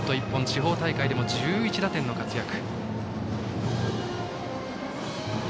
地方大会でも１１打点の活躍。